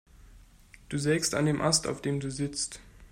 Du sägst an dem Ast, auf dem du sitzt.